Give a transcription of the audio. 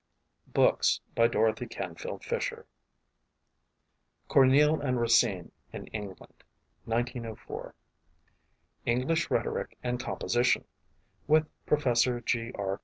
BOOKS BY DOROTHY CANFIELD FISHER Corneille and Racine in England, 1904. English Rhetoric and Composition (with Professor G. R.